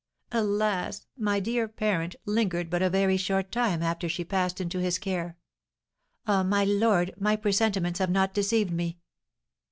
Alas, my dear parent lingered but a very short time after she passed into his care! Ah, my lord, my presentiments have not deceived me!"